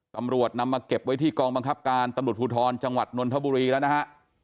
ตำรวจนำมาเก็บไว้ที่กองบังคับการตำรวจภูทรจังหวัดนนทบุรีแล้วนะฮะ